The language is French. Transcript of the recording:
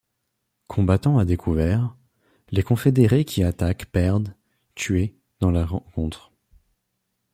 Combattant à découvert, les confédérés qui attaquent perdent tués dans la rencontre.